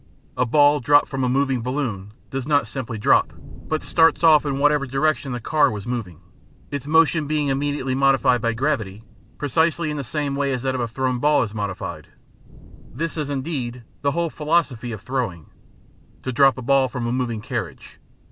A ball dropped from a moving balloon does not simply drop, but starts off in whatever direction the car was moving, its motion being immediately modified by gravity, precisely in the same way as that of a thrown ball is modified. This is, indeed, the whole philosophy of throwing to drop a ball from a moving carriage.